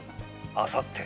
あさって